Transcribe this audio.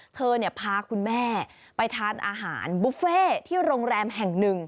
เธอพาคุณแม่ไปทานอาหารบุฟเฟ่ที่โรงแรมแห่งหนึ่ง